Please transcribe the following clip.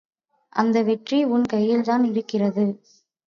அந்த வெற்றி உன் கையில்தான் இருக்கிறது.